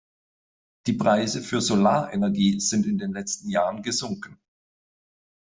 Die Preise für Solarenergie sind in den letzten Jahren gesunken.